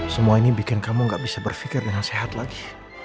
semua ini bikin kamu gak bisa berpikir dengan sehat lagi